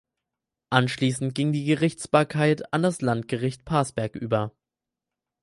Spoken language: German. Anschließend ging die Gerichtsbarkeit an das Landgericht Parsberg über.